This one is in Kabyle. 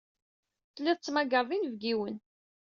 Telliḍ tettmagareḍ inebgiwen.